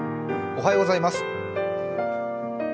おはようございます。